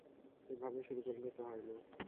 এভাবে শুরু করলে তো হয় না।